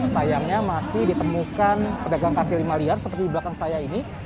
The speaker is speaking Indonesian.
sayangnya masih ditemukan pedagang kaki lima liar seperti di belakang saya ini